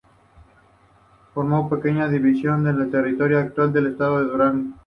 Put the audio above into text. Formó una pequeña división en el territorio del actual estado de Durango.